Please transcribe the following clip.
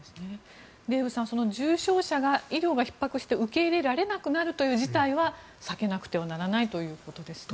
デーブさん、重症者が医療がひっ迫して受け入れられなくなるという事態は避けなくてはならないということですね。